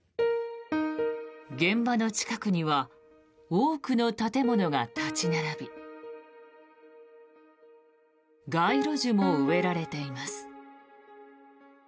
現場の近くには多くの建物が立ち並び街路樹も植えられています。